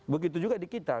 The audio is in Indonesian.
begitu juga di kita